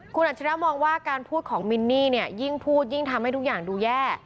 คุณอัจฉริยะมองว่าการพูดของมินนี่เนี่ยยิ่งพูดยิ่งทำให้ทุกอย่างดูแย่